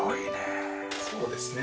そうですね。